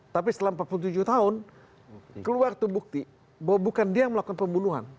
tapi setelah empat puluh tujuh tahun keluar tuh bukti bahwa bukan dia yang melakukan pembunuhan